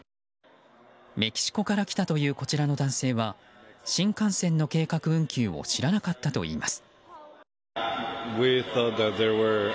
メキシコから来たというこちらの男性は新幹線の計画運休を知らなかったといいます。